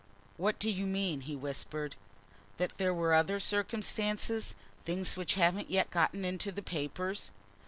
"What do you mean?" he whispered. "That there were other circumstances things which haven't got into the papers?"